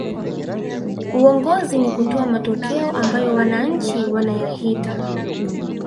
uongozi ni kutoa matokeo ambayo wananchi wanayahita